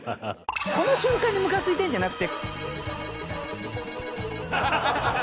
この瞬間にムカついてるんじゃなくて。